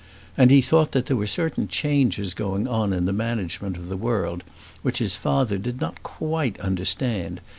And he thought that there were certain changes going on in the management of the world which his father did not quite understand.